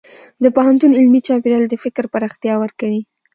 د پوهنتون علمي چاپېریال د فکر پراختیا ورکوي.